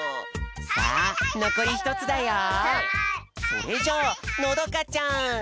それじゃあのどかちゃん！